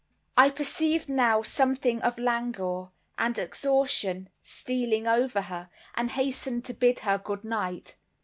I perceived now something of languor and exhaustion stealing over her, and hastened to bid her good night.